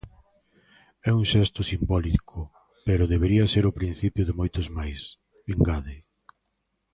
"É un xesto simbólico, pero debería ser o principio de moitos máis", engade.